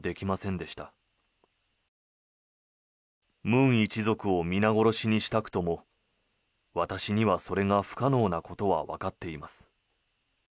ムン一族を皆殺しにしたくとも私にはそれが不可能なことはわかっています。